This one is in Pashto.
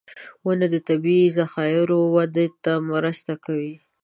• ونه د طبعي ذخایرو وده ته مرسته کوي.